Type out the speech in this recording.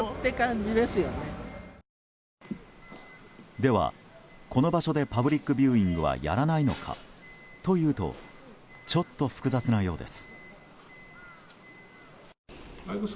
では、この場所でパブリックビューイングはやらないのかというとちょっと複雑なようです。